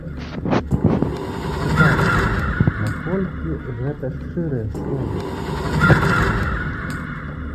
Цікава, наколькі гэта шчырыя словы?